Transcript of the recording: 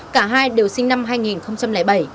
cả hai đều sinh năm hai nghìn bảy